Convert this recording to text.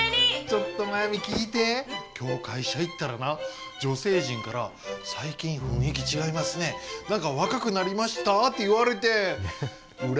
ちょっとマユミ聞いて、きょう、会社行ったらな、女性陣から、最近、雰囲気違いますね、なんか若くなりました？って言われてん。